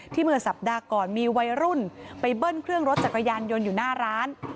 เมื่อสัปดาห์ก่อนมีวัยรุ่นไปเบิ้ลเครื่องรถจักรยานยนต์อยู่หน้าร้าน